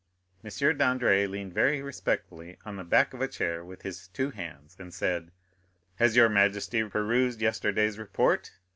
Dandré leaned very respectfully on the back of a chair with his two hands, and said: "Has your majesty perused yesterday's report?"